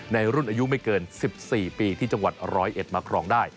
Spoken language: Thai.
ในรุ่นอายุไม่เกิน๑๔ปีที่จังหวัด๑๐๑มาครองได้